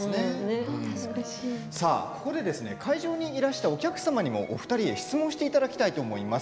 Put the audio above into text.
ここで会場にいらしたお客様にも、お二人へ質問していただきたいと思います。